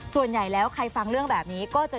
ส่วนใหญ่แล้วใครฟังเรื่องแบบนี้ก็จะ